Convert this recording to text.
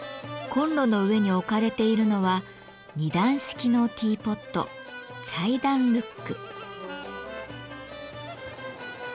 コンロの上に置かれているのは２段式のティーポットチャイダンルック。